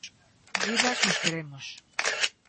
Vivas nos queremos.